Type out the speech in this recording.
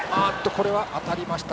これは当たりました。